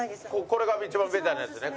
これが一番ベタなやつね？